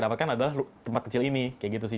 dapatkan adalah tempat kecil ini kayak gitu sih